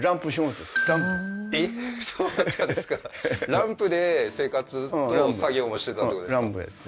ランプで生活と作業もしてたってことですか？